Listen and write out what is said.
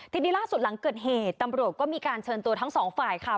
ทีนี้ล่าสุดหลังเกิดเหตุตำรวจก็มีการเชิญตัวทั้งสองฝ่ายค่ะ